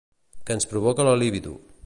Que ens provoca la libido.